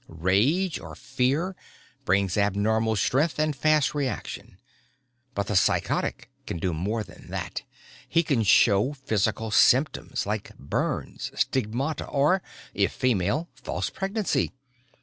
"Rage or fear brings abnormal strength and fast reaction. But the psychotic can do more than that. He can show physical symptoms like burns, stigmata or if female false pregnancy.